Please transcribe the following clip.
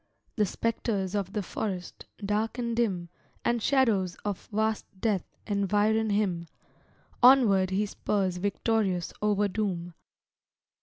The spectres of the forest, dark and dim, And shadows of vast death environ him Onward he spurs victorious over doom.